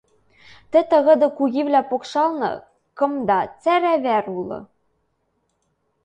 Тӹ тыгыды кугилӓ покшалны кымда цӓрӓ вӓр улы.